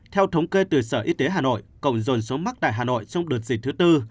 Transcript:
theo thống kê từ sở y tế hà nội cộng dồn số mắc tại hà nội trong đợt dịch thứ tư